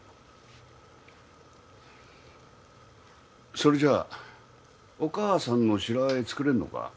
それじゃあお母さんの白和え作れるのか？